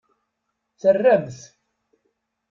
Terramt.